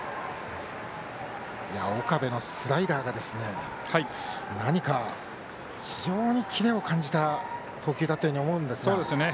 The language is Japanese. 岡部のスライダーが非常にキレを感じた投球だったように思うんですが。